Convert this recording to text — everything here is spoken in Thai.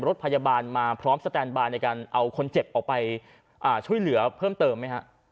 รถพยาบาลมาพร้อมสแตนบายในการเอาคนเจ็บออกไปช่วยเหลือเพิ่มเติมไหมฮะ